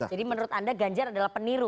jadi menurut anda ganjar adalah peniru